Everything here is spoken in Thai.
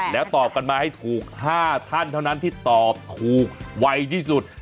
แล้วตอบกันมาให้ถูก๕ท่านเท่านั้นที่ตอบถูกไวที่สุด